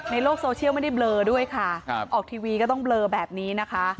ในโลกโซเชียลไม่ได้เบลอด้วยค่ะออกทีวีก็ต้องเบลอแบบนี้นะคะ